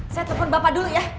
saya telepon bapak dulu ya